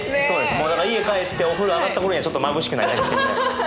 だから家帰ってお風呂上がった頃にはちょっとまぶしくなりかけてるみたいな。